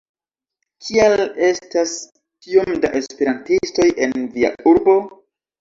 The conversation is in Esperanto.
Kial estas tiom da Esperantistoj en via urbo?